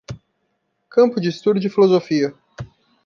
Campo de estudo de filosofia.